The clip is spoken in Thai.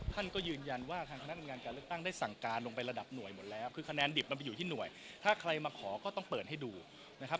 ท่านก็ยืนยันว่าทางคณะทำงานการเลือกตั้งได้สั่งการลงไประดับหน่วยหมดแล้วคือคะแนนดิบมันไปอยู่ที่หน่วยถ้าใครมาขอก็ต้องเปิดให้ดูนะครับ